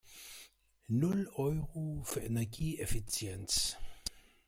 Null Euro für Energieeffizienz!